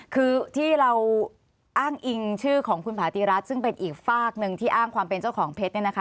คือที่เราอ้างอิงชื่อของคุณผาติรัฐซึ่งเป็นอีกฝากหนึ่งที่อ้างความเป็นเจ้าของเพชรเนี่ยนะคะ